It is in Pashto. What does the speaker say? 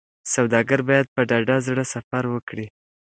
سوداګر باید په ډاډه زړه سفر وکړي.